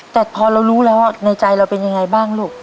แต่พอเรารู้แล้วในใจเราเป็นยังไงบ้างลูก